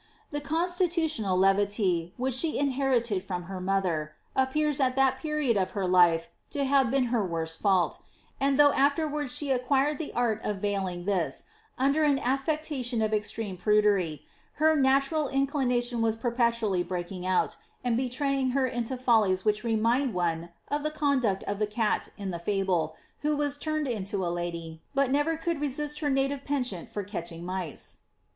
The constitutional levity, which she inherited from her mother, appears, at that period of her life to have been her worst fault, and though she aAerwards acquired the art of veiling this under an aSectaiion of extreme prudery, her natural in clination was perpetually breaking out, and betraying l;er into follies which remind one of the conduct of the cat in the fable, who was turned into a lady, but never could resist her native penchant for catch ing mice.